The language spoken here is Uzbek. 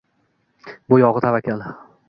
bu yogʼi tavakkal